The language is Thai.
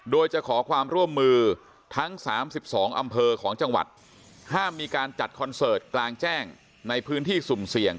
โดยจะขอความร่วมมือทั้ง๓๒อำเภอของจังหวัดห้ามมีการจัดคอนเสิร์ตกลางแจ้งในพื้นที่สุ่มเสี่ยง